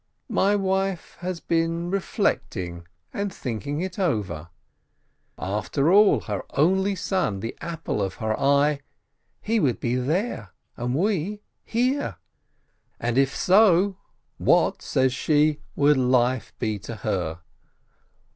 My wife has been reflect GYMNASIYE 177 ing and thinking it over: After all, her only son, the apple of her eye — he would be there and we here! And if so, what, says she, would life he to her?